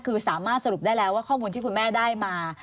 คือสามารถสรุปได้แล้วว่าข้อมูลที่คุณแม่ได้มา